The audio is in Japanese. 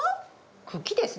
茎ですね。